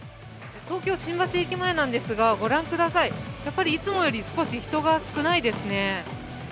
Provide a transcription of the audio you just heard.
東京・新橋駅前なんですがやっぱりいつもより人が少ないですね。